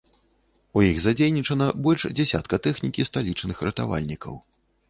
У іх задзейнічана больш дзясятка тэхнікі сталічных ратавальнікаў.